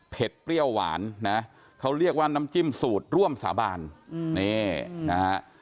เปรี้ยวหวานนะเขาเรียกว่าน้ำจิ้มสูตรร่วมสาบานนี่นะฮะ